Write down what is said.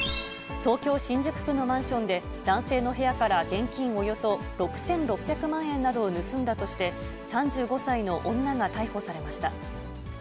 東京・新宿区のマンションで、男性の部屋から現金およそ６６００万円などを盗んだとして、３５歳の女が逮捕されました。